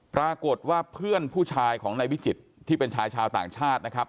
ปรากฏว่าเพื่อนผู้ชายของนายวิจิตรที่เป็นชายชาวต่างชาตินะครับ